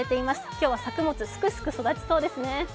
今日は作物がすくすく育ちそうですね。